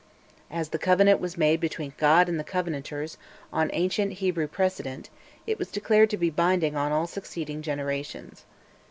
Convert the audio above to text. As the Covenant was made between God and the Covenanters, on ancient Hebrew precedent it was declared to be binding on all succeeding generations.